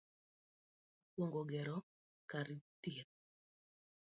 Mokwongo, gero kar thieth,